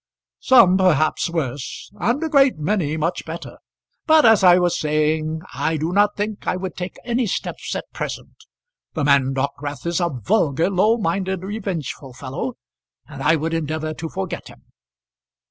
"Some perhaps worse, and a great many much better. But, as I was saying, I do not think I would take any steps at present. The man Dockwrath is a vulgar, low minded, revengeful fellow; and I would endeavour to forget him."